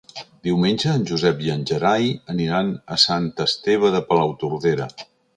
Diumenge en Josep i en Gerai aniran a Sant Esteve de Palautordera.